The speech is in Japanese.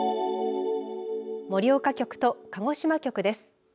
盛岡局と鹿児島局です。